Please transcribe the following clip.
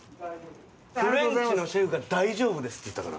フレンチのシェフが「大丈夫です」って言ったから。